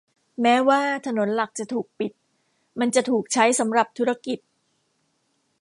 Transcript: แม้ว่าถนนหลักจะถูกปิด มันจะถูกใช้สำหรับธุรกิจ